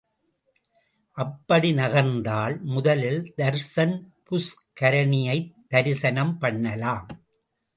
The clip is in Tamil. அப்படி நகர்ந்தால் முதலில் தர்சன புஷ்கரணியைத் தரிசனம் பண்ணலாம்.